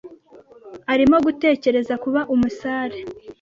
Arimo gutekereza kuba umusare.